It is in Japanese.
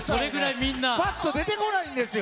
ぱっと出てこないんですよ。